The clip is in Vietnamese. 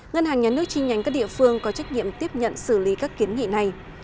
ngân hàng nhà nước chi nhánh các địa phương có trách nhiệm tiếp nhận xử lý các kiến nghị này